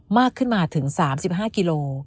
มากขึ้นมาถึง๓๕กิโล